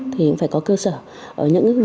thì cũng phải có cơ sở